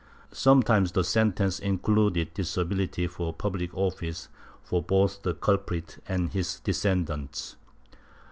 Sometimes the sentence included disability for public office for both the culprit and his descendants.